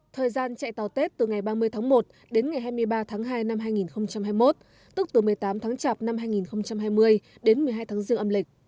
thời gian chạy tàu tết từ ngày ba mươi tháng một đến ngày hai mươi ba tháng hai năm hai nghìn hai mươi một tức từ một mươi tám tháng chạp năm hai nghìn hai mươi đến một mươi hai tháng riêng âm lịch